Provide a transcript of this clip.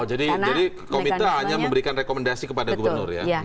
jadi komite hanya memberikan rekomendasi kepada gubernur ya